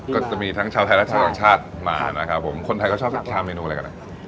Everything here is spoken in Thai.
ก็จะมีทั้งชาวไทยและชาวต่างชาติมานะครับผมคนไทยก็ชอบทานเมนูอะไรกันนะ